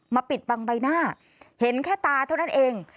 ปิดบังใบหน้าเห็นแค่ตาเท่านั้นเอง